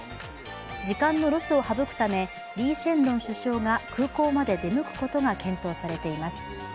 時間のロスを省くためリー・シェンロン首相が空港まで出向くことが検討されています。